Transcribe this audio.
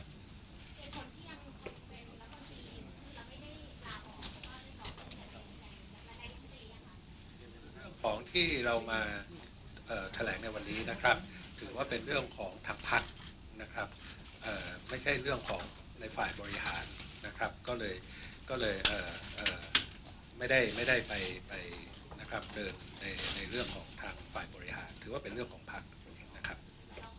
เป็นผลที่ยังสมมุติเป็นหรือเป็นผลที่เราไม่ได้ลาออกหรือเป็นผลที่ยังไม่ได้พูดไปอย่างกันในภารกิจหรือเป็นผลที่ยังไม่ได้พูดไปอย่างกันในภารกิจหรือเป็นผลที่ยังไม่ได้พูดไปอย่างกันในภารกิจหรือเป็นผลที่ยังไม่ได้พูดไปอย่างกันในภารกิจหรือเป็นผลที่ยังไม่ได้พูดไปอย่างกันในภารกิจห